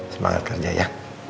semangat kerja ya